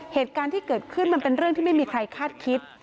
เหตุการณ์ที่เกิดขึ้นมันเป็นเรื่องที่ไม่มีใครคาดคิด